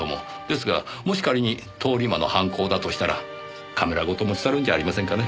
ですがもし仮に通り魔の犯行だとしたらカメラごと持ち去るんじゃありませんかね。